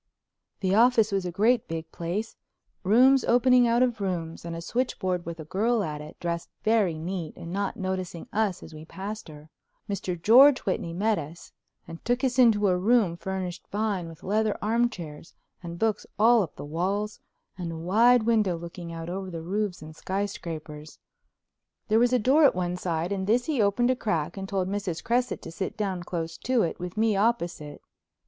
The office was a great big place, rooms opening out of rooms, and a switchboard with a girl at it, dressed very neat and not noticing us as we passed her. Mr. George Whitney met us and took us into a room furnished fine with leather armchairs and books all up the walls and a wide window looking out over the roofs and skyscrapers. There was a door at one side, and this he opened a crack and told Mrs. Cresset to sit down close to it with me opposite.